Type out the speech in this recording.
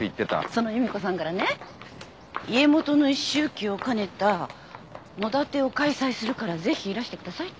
その夕美子さんからね家元の一周忌を兼ねた野だてを開催するからぜひいらしてくださいって言われたの。